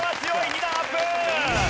２段アップ！